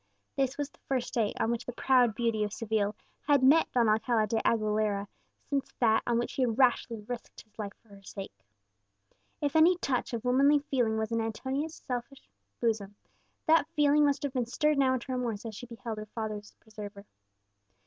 This was the first day on which the proud beauty of Seville had met Don Alcala de Aguilera since that on which he had rashly risked his life for her sake. If any touch of womanly feeling was in Antonia's selfish bosom, that feeling must have been stirred now into remorse as she beheld her father's preserver.